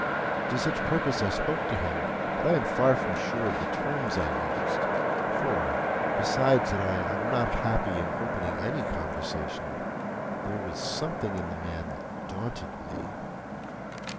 To such purpose I spoke to him; but I am far from sure of the terms I used; for, besides that I am not happy in opening any conversation, there was something in the man that daunted me.